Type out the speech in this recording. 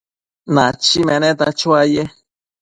Nachi meneta chuaye